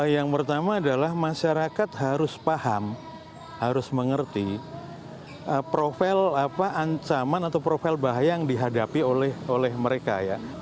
yang pertama adalah masyarakat harus paham harus mengerti profil ancaman atau profil bahaya yang dihadapi oleh mereka ya